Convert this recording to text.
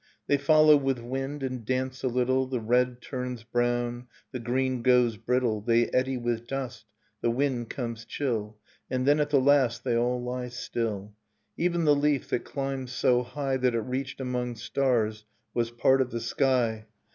. They follow with wind and dance a little, The red turns brown, the green goes brittle. They eddy with dust, the wind comes chill. And then, at the last, they all lie still, — Even the leaf that climbed so high That it reached among stars, was part of sky.